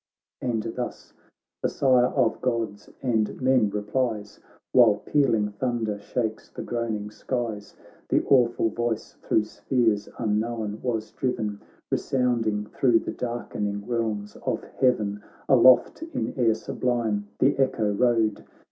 And thus the Sire of Gods and men replies. While pealing thunder shakes the groan ing skies ; The awful voice thro' spheres unknown was driven. Resounding thro' the dark'ning realms of heaven ; Aloft in air sublime the echo rode.